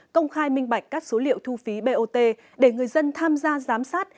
công khai minh bạch các số liệu thu phí bot để người dân tham gia giám sát